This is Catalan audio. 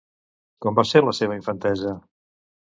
Com va ser la seva infantesa?